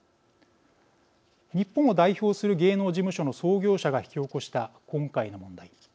日本を代表する芸能事務所の創業者が引き起こした今回の問題。